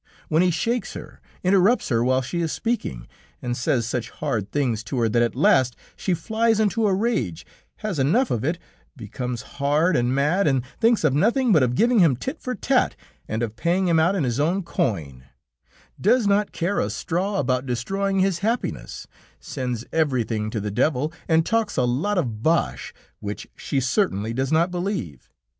When he shakes her, interrupts her while she is speaking, and says such hard things to her that at last she flies into a rage, has enough of it, becomes hard and mad, and thinks of nothing but of giving him tit for tat and of paying him out in his own coin; does not care a straw about destroying his happiness, sends everything to the devil, and talks a lot of bosh which she certainly does not believe.